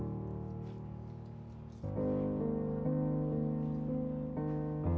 aku harap aku bisa semiawakil dengan sifat lokal biasa